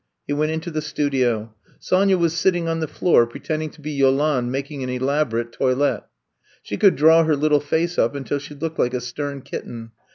He went into the studio. Sonya was sitting on the floor pretending to be Yolande making an elaborate toilette. She could draw her little face up until she looked like a stem kitten.